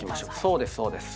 そうですそうです。